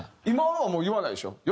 今はもう言わないでしょ？